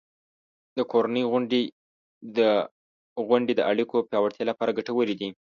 د کورنۍ غونډې د اړیکو پیاوړتیا لپاره ګټورې دي.